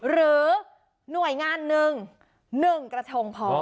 หรือหน่วยงาน๑๑กระทงพอ